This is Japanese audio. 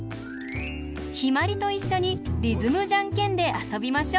ひまりといっしょにリズムじゃんけんであそびましょう！